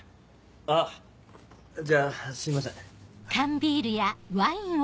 あっじゃあすいません。